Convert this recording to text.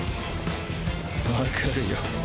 わかるよ。